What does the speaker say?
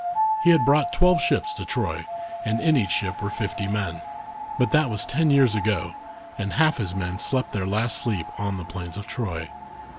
He had brought twelve ships to Troy, and in each ship were fifty men ; but that was ten years ago, and half his men slept their last sleep on the plains of Troy.